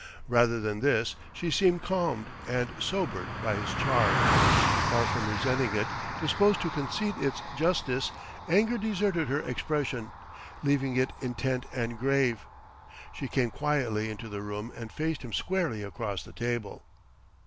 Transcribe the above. Rather than this, she seemed calmed and sobered by his charge; far from resenting it, disposed to concede its justice; anger deserted her expression, leaving it intent and grave. She came quietly into the room and faced him squarely across the table.